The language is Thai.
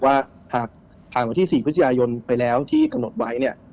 ว่าหากผ่านวันที่๔พฤศจิกายนไปแล้วที่กำหนดไว้เนี่ย